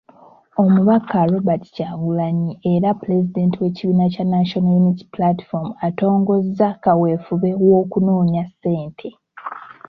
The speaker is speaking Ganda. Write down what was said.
Omubaka Robert Kyagulanyi era Pulezidenti w’ekibiina kya National Unity Platform atongozza kaweefube w’okunoonya ssente.